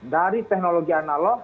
dari teknologi analog